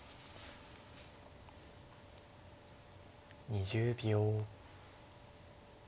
２０秒。